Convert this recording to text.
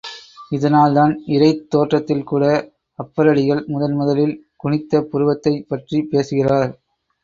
இதனால்தான், இறைத் தோற்றத்தில்கூட அப்பரடிகள் முதன் முதலில் குனித்த புருவத்தைப் பற்றிப் பேசுகிறார்.